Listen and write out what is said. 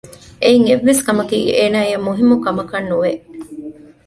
އެއިން އެއްވެސް ކަމަކީ އޭނާއަށް މުހިންމުކަމަކަށް ނުވެ